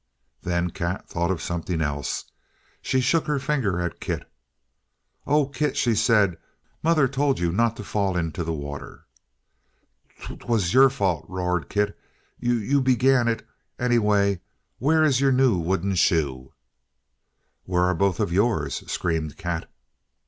Then Kat thought of something else. She shook her finger at Kit. "Oh, Kit," she said, "mother told you not to fall into the water!" "'T t t was all your fault," roared Kit. "Y y you began it! Anyway, where is your new wooden shoe?" "Where are both of yours?" screamed Kat.